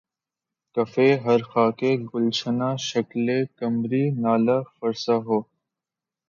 کفِ ہر خاکِ گلشن‘ شکلِ قمری‘ نالہ فرسا ہو